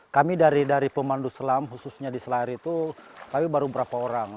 kami dari pemandu selam khususnya di selayar itu tapi baru berapa orang